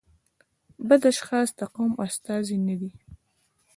بد اشخاص د قوم استازي نه دي.